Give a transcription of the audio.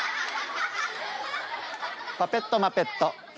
パペットマペット。